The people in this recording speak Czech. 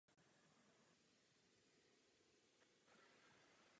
To je něco, co spotřebitel velice těžko u výrobku pozná.